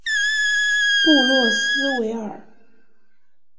布洛斯维尔。